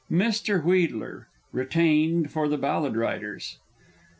_ Mr. Wheedler (retained for the Ballad writers).